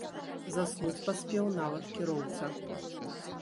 Заснуць паспеў нават кіроўца.